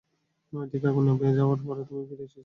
ওইদিন আগুন নিভে যাওয়ার পরে, তুমি ফিরে এসেছিলে মুকেশ।